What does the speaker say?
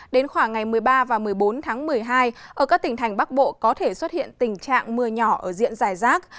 đến khoảng ngày một mươi ba và một mươi bốn tháng một mươi hai ở các tỉnh thành bắc bộ có thể xuất hiện tình trạng mưa nhỏ ở diện dài rác